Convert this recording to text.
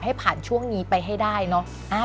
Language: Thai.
ให้ผ่านช่วงนี้ไปให้ได้เนอะ